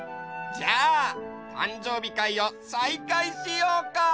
じゃあたんじょうびかいをさいかいしようか！